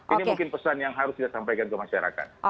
ini mungkin pesan yang harus kita sampaikan ke masyarakat